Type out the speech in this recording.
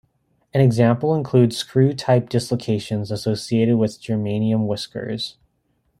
An example includes screw-type dislocations associated with Germanium whiskers.